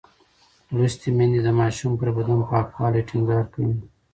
لوستې میندې د ماشوم پر بدن پاکوالی ټینګار کوي.